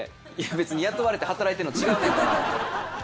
別に雇われて働いてんのと違うねんから。